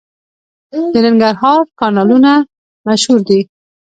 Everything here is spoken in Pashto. د ننګرهار کانالونه مشهور دي.